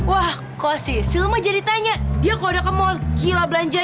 oke gampangnya kita pakai undian aja